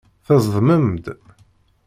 Tezdmem-d.